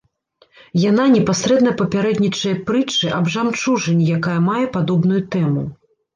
Яна непасрэдна папярэднічае прытчы аб жамчужыне, якая мае падобную тэму.